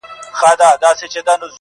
اوس به څنګه پر اغزیو تر منزل پوري رسیږي٫